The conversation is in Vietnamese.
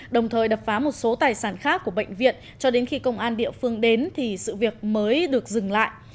đồng thời đập phá một số tài sản khác của bệnh viện cho đến khi công an địa phương đến thì sự việc mới được dừng lại